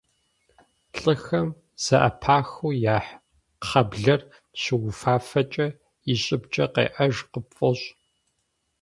Лӏыхэм зэӏэпахыу яхь кхъаблэр щыуфафэкӏэ, и щӏыбкӏэ къеӏэж къыпфӏощӏ.